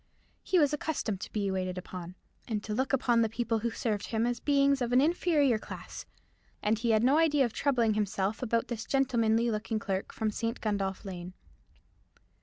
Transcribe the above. He was accustomed to be waited upon, and to look upon the people who served him as beings of an inferior class: and he had no idea of troubling himself about this gentlemanly looking clerk from St. Gundolph Lane.